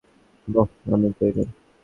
বোহ, আমি তৈরি।